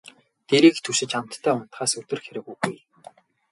Дэрийг түшиж амттай унтахаас өдөр хэрэг үгүй.